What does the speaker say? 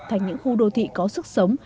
thành những khu đô thị có sức sống